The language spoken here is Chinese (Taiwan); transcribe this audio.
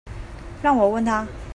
讓我問他